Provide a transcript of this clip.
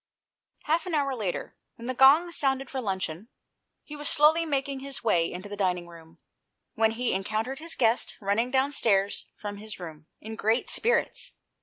Half an hour later, when the gong sounded for luncheon, he was slowly making his way into the dining room, when he encountered his guest running downstairs from his room, in great spirits.